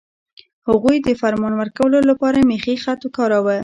هغوی د فرمان ورکولو لپاره میخي خط کاراوه.